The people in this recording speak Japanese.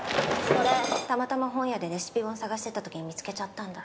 これたまたま本屋でレシピ本探してたときに見つけちゃったんだ。